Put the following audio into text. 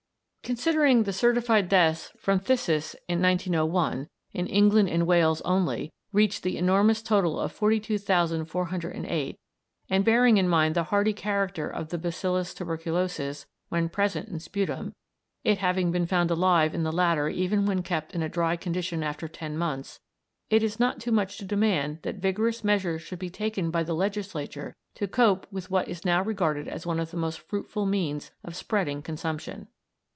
Considering that the certified deaths from phthisis in 1901, in England and Wales only, reached the enormous total of 42,408, and bearing in mind the hardy character of the bacillus tuberculosis when present in sputum, it having been found alive in the latter even when kept in a dry condition after ten months, it is not too much to demand that vigorous measures should be taken by the legislature to cope with what is now regarded as one of the most fruitful means of spreading consumption.